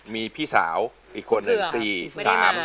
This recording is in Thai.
มีพี่สาวอีกคนสี่ตอนนี้อีกคนไม่ได้มา